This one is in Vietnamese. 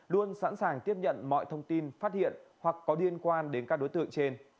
luôn sẵn sàng tiếp nhận mọi thông tin phát hiện hoặc có liên quan đến các đối tượng trên